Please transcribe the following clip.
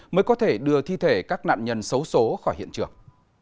mới có thể đưa thi thể các nạn nhân xấu xố khỏi hiện trường